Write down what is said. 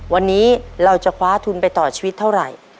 วันนี้เราจะคว้าทุนไปต่อชีวิตเท่าไหร่